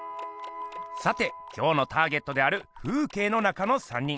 さて今日のターゲットである「風景の中の三人」。